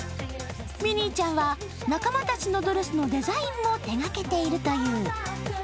ミニーちゃんは仲間たちのドレスのデザインも手がけているという。